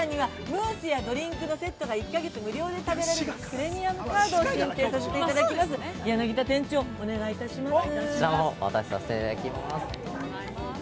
ムースやドリンクセットが１か月無料で食べられる、プレミアムカードお渡しいたします。